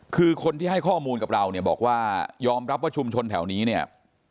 คือคนที่ให้ข้อมูลกับเราเนี่ยบอกว่ายอมรับว่าชุมชนแถวนี้เนี่ย